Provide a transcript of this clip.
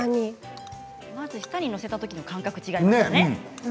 まず舌に載せた時の感覚が違いますね。